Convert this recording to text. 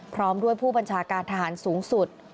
พร้อมด้วยผู้บัญชาการทหารสูงสุด